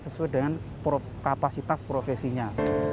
sesuai dengan kapasitas profesinya